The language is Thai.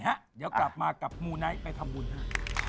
เดี๋ยวกลับมากับมูไนท์ไปทำบุญฮะ